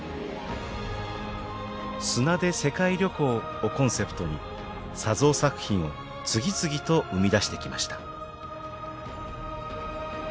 「砂で世界旅行」をコンセプトに砂像作品を次々と生み出してきました。